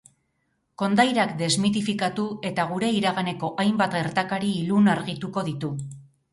Kondairak desmitifikatu eta gure iraganeko hainbat gertakari ilun argituko ditu.